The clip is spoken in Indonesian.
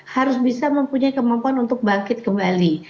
harus bisa mempunyai kemampuan untuk bangkit kembali